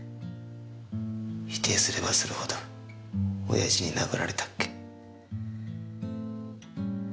否定すればするほど親父に殴られたっけ。